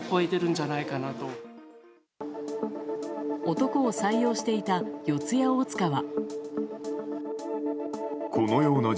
男を採用していた四谷大塚は。